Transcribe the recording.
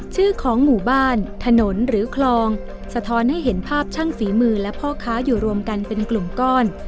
ชื่อของหมู่บ้านถนนหรือคลองสะท้อนให้เห็นภาพช่างฝีมือและพ่อค้าอยู่รวมกันเป็นกลุ่มก้อน